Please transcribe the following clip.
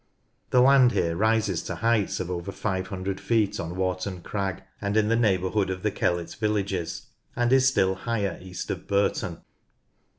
The land here rises to heights of over 500 feet on Warton Crag and in the neighbourhood of the Kellet villages, and is still higher east of Burton.